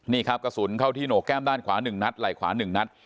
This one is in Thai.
นี่ครับกระสุนเข้าที่โหนกแก้มด้านขวา๑นัดไหล่ขวา๑นัด